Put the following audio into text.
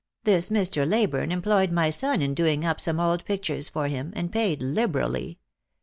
This Mr. Leyburne em ployed my son in doing up some old pictures for him, and paid liberally.